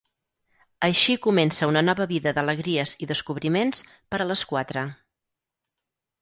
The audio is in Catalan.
Així comença una nova vida d’alegries i descobriments per a les quatre.